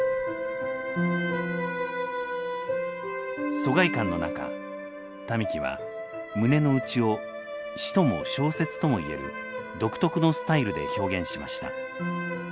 疎外感の中民喜は胸の内を詩とも小説とも言える独特のスタイルで表現しました。